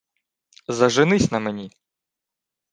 — Заженись на мені.